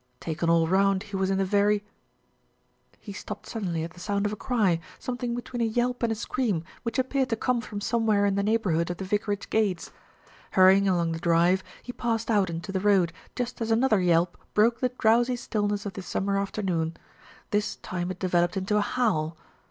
Taken all round he was in the very He stopped suddenly at the sound of a cry, some thing between a yelp and a scream, which appeared to come from somewhere in the neighbourhood of the vicarage gates. Hurrying along the drive, he passed out into the road, just as another yelp broke the drowsy stillness of the summer afternoon. This time it developed inta a howl.